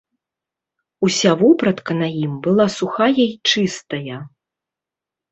Уся вопратка на ім была сухая і чыстая.